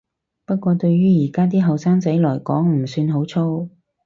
不過對於而家啲後生仔來講唔算好粗